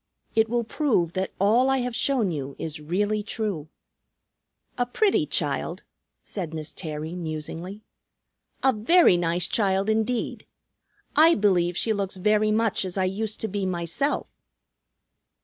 "It will prove that all I have shown you is really true." "A pretty child," said Miss Terry musingly. "A very nice child indeed. I believe she looks very much as I used to be myself."